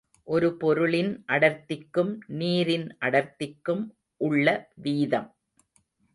ஒரு பொருளின் அடர்த்திக்கும் நீரின் அடர்த்திக்கும் உள்ள வீதம்.